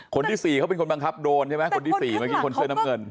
คนที่๔เขาเป็นคนบังคับโดนใช่ไหมคนที่๔เมื่อกี้คนเสื้อน้ำเงิน